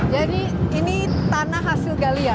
jadi ini tanah hasil galian